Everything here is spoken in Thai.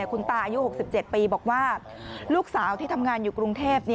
คุณตาอายุ๖๗ปีบอกว่าลูกสาวที่ทำงานอยู่กรุงเทพ